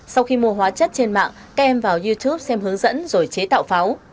sau khi mua hóa chất trên mạng các em vào youtube xem hướng dẫn rồi chế tạo pháo